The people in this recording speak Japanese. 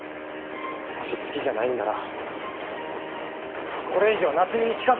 もし好きじゃないんならこれ以上夏海に近づくな！